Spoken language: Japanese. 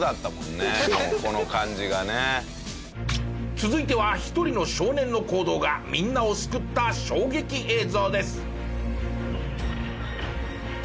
続いては一人の少年の行動がみんなを救った衝撃映像です。